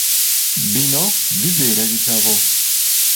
Bino bibeera bitabo.